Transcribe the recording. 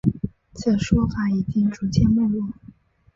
此说法已经逐渐没落。